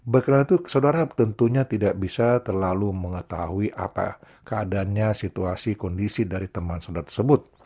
berkenalan itu saudara tentunya tidak bisa terlalu mengetahui apa keadaannya situasi kondisi dari teman saudara tersebut